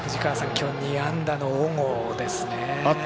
今日２安打の小郷ですね。